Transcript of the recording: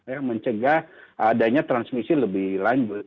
ya mencegah adanya transmisi lebih lanjut